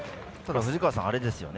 藤川さん、あれですよね。